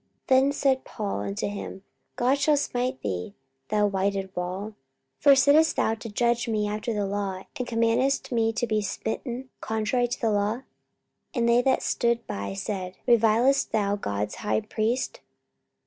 44:023:003 Then said Paul unto him, God shall smite thee, thou whited wall: for sittest thou to judge me after the law, and commandest me to be smitten contrary to the law? 44:023:004 And they that stood by said, Revilest thou God's high priest?